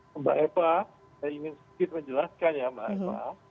pak makarim saya ingin sedikit menjelaskan ya mbak eva